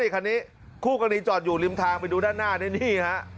คันนี้คู่กรณีจอดอยู่ริมทางไปดูด้านหน้านี่ฮะ